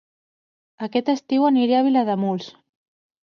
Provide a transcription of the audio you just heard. Aquest estiu aniré a Vilademuls